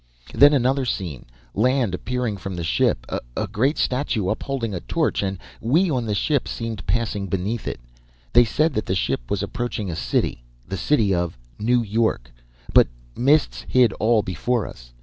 "Then another scene, land appearing from the ship. A great statue, upholding a torch, and we on the ship seemed passing beneath it. They said that the ship was approaching a city, the city of New York, but mists hid all before us.